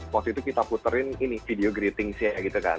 waktu itu kita puterin ini video greathingsnya gitu kan